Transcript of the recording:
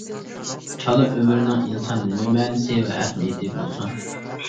چالا ئۆمۈرنىڭ ئىنسان نېمە مەنىسى ۋە ئەھمىيىتى بولسۇن!